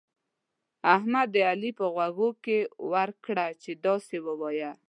احمد د علي په غوږو کې ورکړه چې داسې ووايه.